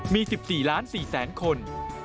มี๑๔ล้าน๔แสนคน